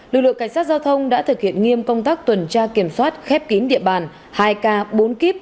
lực lượng cảnh sát giao thông đã thực hiện nghiêm công tác tuần tra kiểm soát khép kín địa bàn hai k bốn k